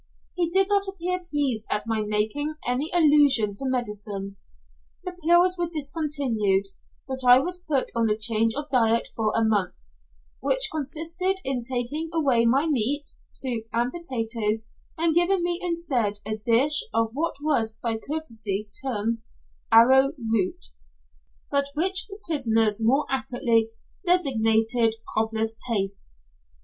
He did not appear pleased at my making any allusion to medicine. The pills were discontinued, but I was put on a change of diet for a month, which consisted in taking away my meat, soup, and potatoes, and giving me instead a dish of what was by courtesy termed "arrow root," but which the prisoners more accurately designated "cobbler's paste."